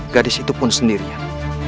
gadis itu pun sendirian